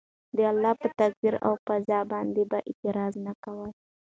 د الله په تقدير او قضاء باندي به اعتراض نه کوي